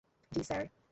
জী, স্যার?